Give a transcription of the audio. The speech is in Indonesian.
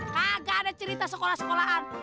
kagak ada cerita sekolah sekolahan